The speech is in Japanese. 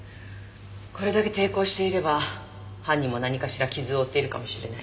これだけ抵抗していれば犯人も何かしら傷を負っているかもしれない。